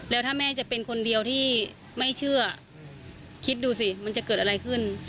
แล้วถ้าแม่จะเป็นคนเดียวที่ไม่เชื่อคิดดูสิมันจะเกิดอะไรขึ้น